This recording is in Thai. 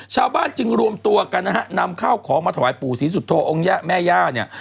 ชาวบ้านจึงรวมตัวกันนะฮะนำข้าวของมาถวายปู่ศรีสุโธองค์ยะแม่ย่าเนี่ย